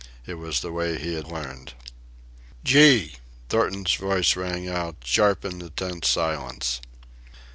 It was the way he had learned. "Gee!" Thornton's voice rang out, sharp in the tense silence.